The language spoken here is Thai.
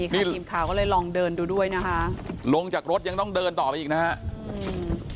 นี่ทีมข่าวก็เลยลองเดินดูด้วยนะคะลงจากรถยังต้องเดินต่อไปอีกนะฮะอืม